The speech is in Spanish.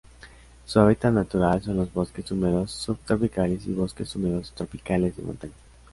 Su hábitat natural son los bosques húmedos subtropicales y bosques húmedos tropicales de montaña.